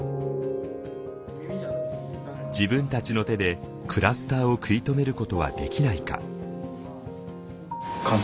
自分たちの手でクラスターを食い止めることはできないか。